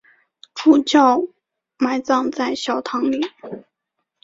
主教埋葬在小堂里。